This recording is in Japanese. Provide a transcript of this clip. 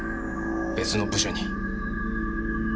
別の部署に。